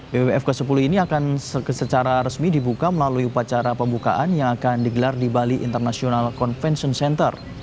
bwf ke sepuluh ini akan secara resmi dibuka melalui upacara pembukaan yang akan digelar di bali international convention center